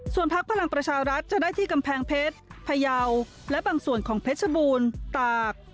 พักพลังประชารัฐจะได้ที่กำแพงเพชรพยาวและบางส่วนของเพชรบูรณ์ตาก